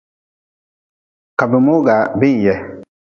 Ka bi mogaa bin ye.